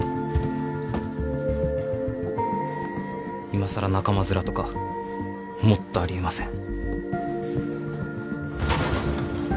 いまさら仲間ヅラとかもっとありえません